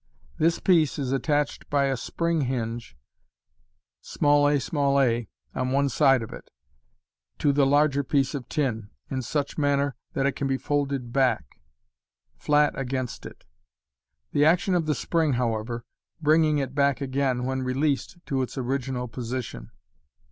This piece is attached by a spring hinge, a a, on one side of it, to the larger piece of tin, in such manner that it can be folded back (see Fig. 54) flat against it ; the action of the spring, however, bringing it back again, when released, to its original position.